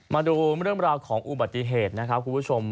มาดูเรื่องราวของอุบัติเหตุนะครับคุณผู้ชม